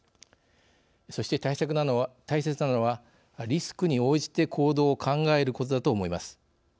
そして、大切なのはリスクに応じて行動を考えることだと思います。